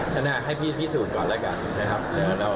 นั่นนะให้พี่สูญก่อนแล้วกันนะครับ